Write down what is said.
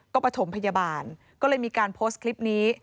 ก็ประถมพยาบาลก็เลยมีการโพสต์คลิปนี้